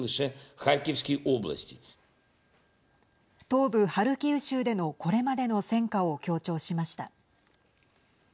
東部ハルキウ州でのこれまでの戦果を強調しました。